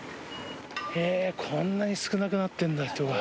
こんなに少なくなってるんだ人が。